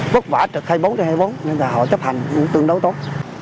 bất vả trực hai mươi bốn trên hai mươi bốn nên là họ chấp hành tương đối tốt